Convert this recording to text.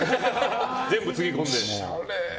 全部つぎ込んで。